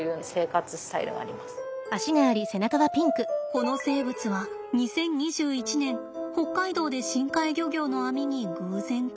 この生物は２０２１年北海道で深海漁業の網に偶然かかりました。